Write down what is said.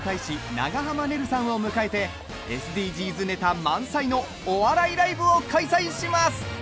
長濱ねるさんを迎えてＳＤＧｓネタ満載のお笑いライブを開催します。